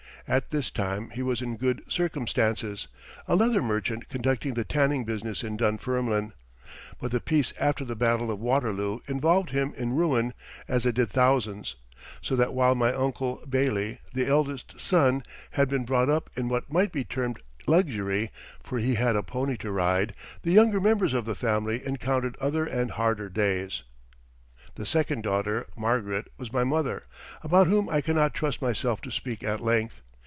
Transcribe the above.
At this time he was in good circumstances, a leather merchant conducting the tanning business in Dunfermline; but the peace after the Battle of Waterloo involved him in ruin, as it did thousands; so that while my Uncle Bailie, the eldest son, had been brought up in what might be termed luxury, for he had a pony to ride, the younger members of the family encountered other and harder days. The second daughter, Margaret, was my mother, about whom I cannot trust myself to speak at length.